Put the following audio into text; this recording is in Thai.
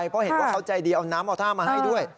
เพราะเห็นว่าเขาใจดีเอาน้ำเอาท่ามาให้ด้วย